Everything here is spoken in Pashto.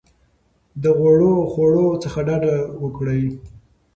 د غوړو خوړو څخه ډډه وکړئ.